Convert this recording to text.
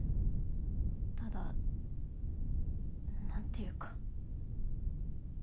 ただ何ていうか。